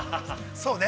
◆そうね。